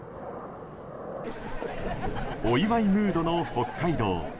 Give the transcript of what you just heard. お祝いムードの北海道。